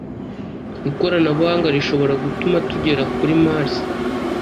Ikoranabuhanga rishobora gutuma tugera kuri Mars